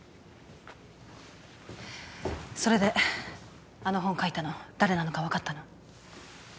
それであの本を書いたの誰なのか分かったの？